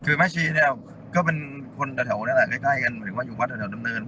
คือแม่ชีเนี่ยก็เป็นคนแถวนั้นแหละใกล้กันหมายถึงว่าอยู่วัดแถวดำเนิน